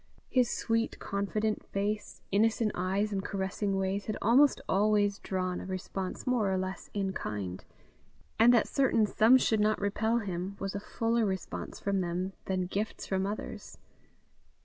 His sweet confident face, innocent eyes, and caressing ways, had almost always drawn a response more or less in kind; and that certain some should not repel him, was a fuller response from them than gifts from others.